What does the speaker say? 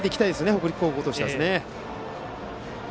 北陸高校としては。